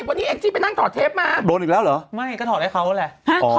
วันนี้แองจี้ไปนั่งถอดเทปมาโดนอีกแล้วเหรอไม่ก็ถอดให้เขาแหละ